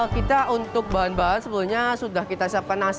kita untuk bahan bahan sebelumnya kita memiliki bahan bahan yang lebih besar